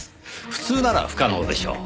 普通なら不可能でしょう。